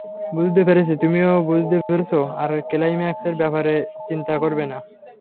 বুঝতে পেরেছি, তুমিও বুঝতে পেরেছো, আর ক্লাইম্যাক্স এর ব্যাপরে চিন্তা করবে না।